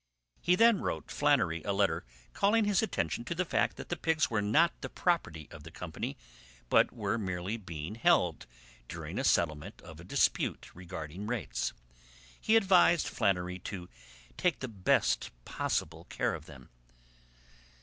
He then wrote Flannery a letter calling his attention to the fact that the pigs were not the property of the company but were merely being held during a settlement of a dispute regarding rates. He advised Flannery to take the best possible care of them.